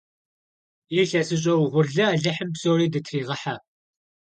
Yilhesış'e vuğurlı alıhım psori dıtıriğıhe!